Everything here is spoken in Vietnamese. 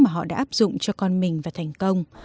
mà họ đã áp dụng cho con mình và thành công